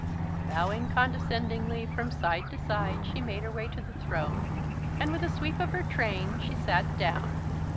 Bowing condescendingly from side to side she made her way to the Throne, and with a sweep of her train she sat down.